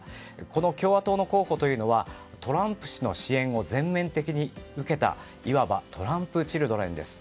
この共和党の候補というのはトランプ氏の支援を全面的に受けたいわばトランプチルドレンです。